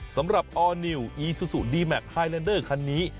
สำหรับออร์นิวอีซูซูดีแมคไฮแลนเดอร์คันนี้